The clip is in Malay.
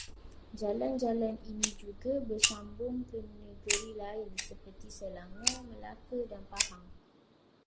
Jalan-jalan ini juga bersambung ke negeri lain seperti Selangor, Melaka dan Pahang